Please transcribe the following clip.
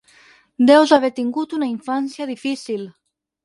Deus haver tingut una infància difícil!